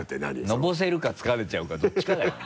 のぼせるか疲れちゃうかどっちかだよ。